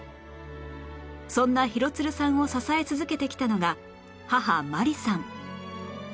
そんな廣津留さんを支え続けてきたのが母真理さん